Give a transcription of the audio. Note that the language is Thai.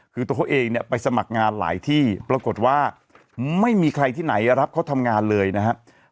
คือตัวเขาเองเนี่ยไปสมัครงานหลายที่ปรากฏว่าไม่มีใครที่ไหนรับเขาทำงานเลยนะครับ